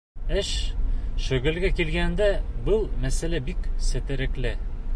Эш, шөғөлгә килгәндә, был мәсьәлә бик сетерекле.